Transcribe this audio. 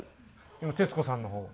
今徹子さんの方を。